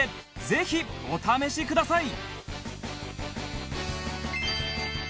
ぜひお試しください